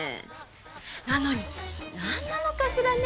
なのになんなのかしらね？